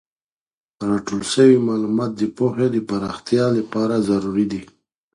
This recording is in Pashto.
راټول سوی معلومات د پوهې د پراختیا لپاره ضروري دي.